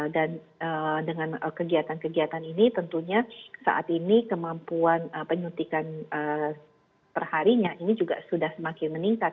dan dengan kegiatan kegiatan ini tentunya saat ini kemampuan penyuntikan perharinya ini juga sudah semakin meningkat